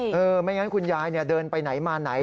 ไม่งั้นคุณยายเดินไปไหนมาไหน